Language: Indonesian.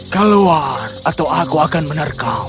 keluar atau aku akan menerkau